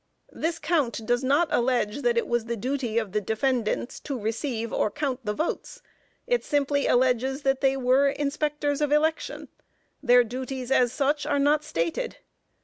This count does not allege that it was the duty of the defendants to receive or count the votes. It simply alleges that they were Inspectors of Election. Their duties as such are not stated.